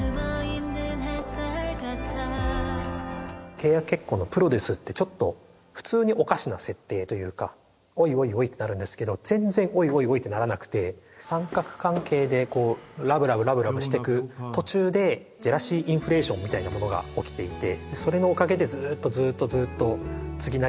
契約結婚のプロですってちょっと普通におかしな設定というかおいおいおいってなるんですけど全然おいおいおいってならなくて三角関係でラブラブラブラブしてく途中でジェラシーインフレーションみたいなものが起きていてそれのおかげでずーっとずーっとずーっと次何？